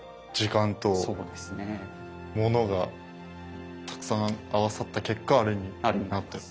ものがたくさん合わさった結果あれになっていると。